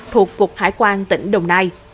thuộc cục hải quan tỉnh đồng nai